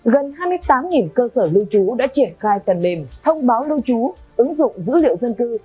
gần hai mươi tám cơ sở lưu trú đã triển khai tần mềm thông báo lưu trú ứng dụng dữ liệu dân cư